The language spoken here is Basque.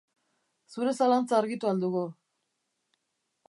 Zure zalantza argitu al dugu?